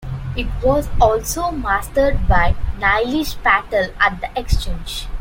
It was also mastered by Nilesh Patel at The Exchange.